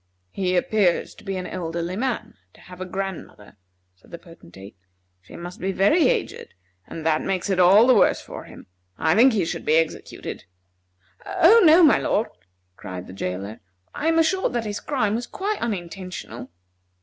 "He appears to be an elderly man to have a grandmother," said the Potentate. "She must be very aged, and that makes it all the worse for him. I think he should be executed." "Oh, no, my lord," cried the jailor. "I am assured that his crime was quite unintentional."